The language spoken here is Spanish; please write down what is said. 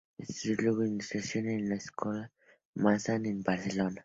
Estudió luego Ilustración en la Escola Massana de Barcelona.